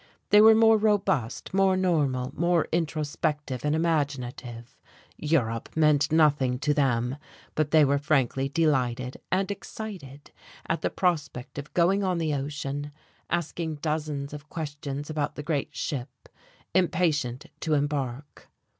They were more robust, more normal, less introspective and imaginative; Europe meant nothing to them, but they were frankly delighted and excited at the prospect of going on the ocean, asking dozens of questions about the great ship, impatient to embark.....